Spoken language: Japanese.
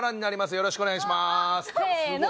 よろしくお願いします。